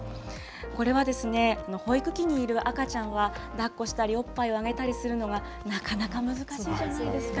これは保育器にいる赤ちゃんは、だっこしたり、おっぱいをあげたりするのがなかなか難しいじゃないですか。